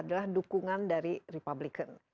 adalah dukungan dari republikan